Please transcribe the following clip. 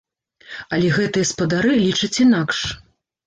Але гэтыя спадары лічаць інакш.